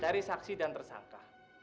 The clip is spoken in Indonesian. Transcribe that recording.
cari saksi dan tersangka